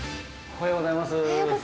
おはようございます。